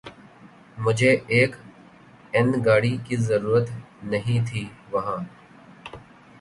مجھیں ایک ایںر گاڑی کی ضریںرت نہیں تھیں وہاں